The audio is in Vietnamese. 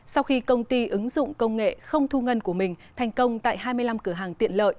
sau khi công ty ứng dụng công nghệ không thu ngân của mình thành công tại hai mươi năm cửa hàng tiện lợi